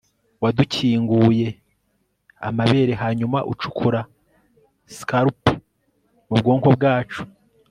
wadukinguye amabere hanyuma ucukura scalpels mubwonko bwacu